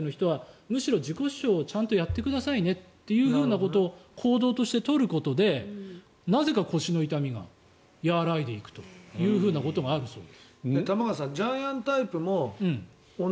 だから、自己主張が弱いタイプの人はむしろ自己主張をちゃんとやってくださいねということを行動として取ることでなぜか腰の痛みが和らいでいくことがあるそうです。